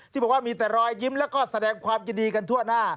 ที่บอกว่ามีแต่รอยยิ้มแล้วก็แสดงความยินดีกันทั่วหน้า